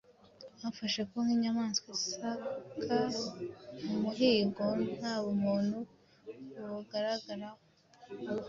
Bifashe nk’inyamaswa ishaka umuhigo nta bumuntu bubagaragaraho